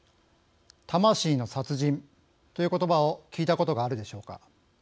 魂の殺人ということばを聞いたことがあるでしょうか。